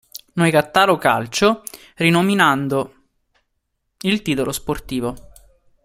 Noicattaro Calcio rinominando il titolo sportivo.